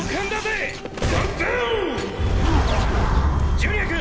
ジュニア君！